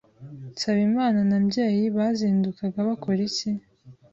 Nsabimana na Mbyeyi bazindukaga bakora iki?